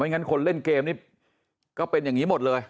งั้นคนเล่นเกมนี่ก็เป็นอย่างนี้หมดเลย